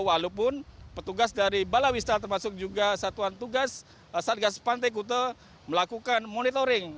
walaupun petugas dari balawista termasuk juga satuan tugas satgas pantai kute melakukan monitoring